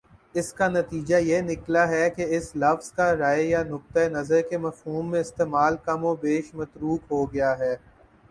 اس کا نتیجہ یہ نکلا ہے کہ اس لفظ کا رائے یا نقطۂ نظر کے مفہوم میں استعمال کم و بیش متروک ہو گیا ہے